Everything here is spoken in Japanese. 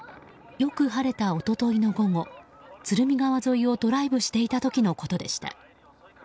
よく晴れた、一昨日の午後鶴見川沿いをドライブしていた時のことでした。